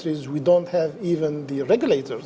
kita tidak memiliki pengadil